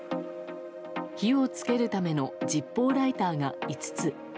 火を付けるためのジッポーライターが５つ。